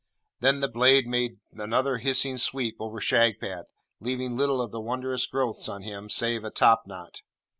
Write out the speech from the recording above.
Then the blade made another hissing sweep over Shagpat, leaving little of the wondrous growths on him save a topknot.